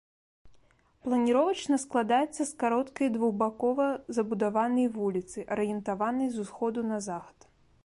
Планіровачна складаецца з кароткай двухбакова забудаванай вуліцы, арыентаванай з усходу на захад.